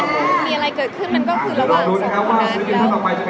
ช่วงที่คนสนิทกันอะมันก็คือระหว่างสองคน